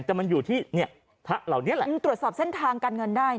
แต่มันอยู่ที่เนี่ยพระเหล่านี้แหละมันตรวจสอบเส้นทางการเงินได้